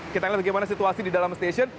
kita lihat bagaimana situasi di dalam stasiun